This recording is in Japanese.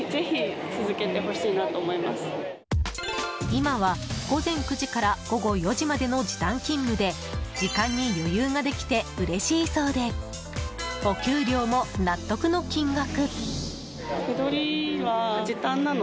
今は午前９時から午後４時までの時短勤務で時間に余裕ができてうれしいそうでお給料も納得の金額。